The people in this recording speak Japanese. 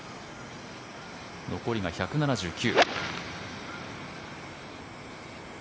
残りが１７９。